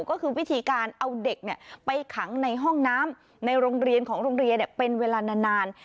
ก็คือวิธีการเอาเด็กไปขังในห้องน้ำในโรงเรียนของโรงเรียนเป็นเวลานาน